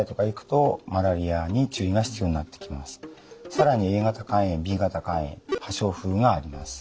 更にＡ型肝炎Ｂ型肝炎破傷風があります。